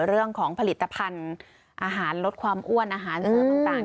เรื่องของผลิตภัณฑ์อาหารลดความอ้วนอาหารเสริมต่าง